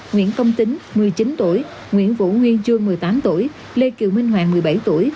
nguyễn công tính một mươi chín tuổi nguyễn vũ nguyên chương một mươi tám tuổi lê kiều minh hoàn một mươi bảy tuổi